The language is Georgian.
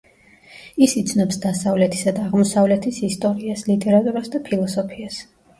ის იცნობს დასავლეთისა და აღმოსავლეთის ისტორიას, ლიტერატურას და ფილოსოფიას.